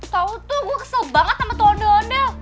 tau tuh gue kesel banget sama tuh onde onde